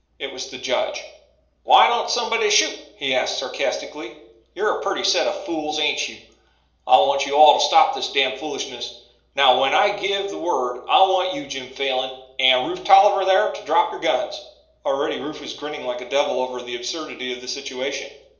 It was the judge: "Why don't somebody shoot?" he asked sarcastically. "You're a purty set o' fools, ain't you? I want you all to stop this damned foolishness. Now when I give the word I want you, Jim Falin and Rufe Tolliver thar, to drap yer guns." Already Rufe was grinning like a devil over the absurdity of the situation.